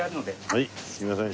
はいすみません。